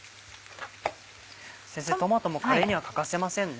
先生トマトもカレーには欠かせませんね。